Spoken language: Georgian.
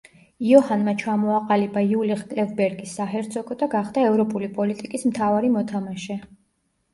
იოჰანმა ჩამოაყალიბა იულიხ-კლევ-ბერგის საჰერცოგო და გახდა ევროპული პოლიტიკის მთავარი მოთამაშე.